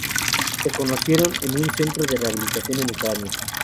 Se conocieron en un centro de rehabilitación en Ucrania.